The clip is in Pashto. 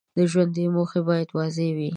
د ژوند موخې باید واضح وي.